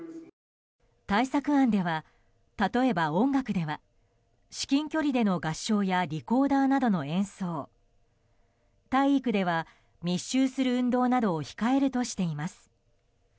対策案では、例えば音楽では至近距離での合唱やリコーダーなどの演奏体育では密集する運動などを控えるとしています。